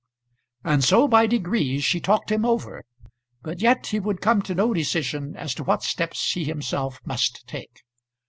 And so by degrees she talked him over; but yet he would come to no decision as to what steps he himself must take.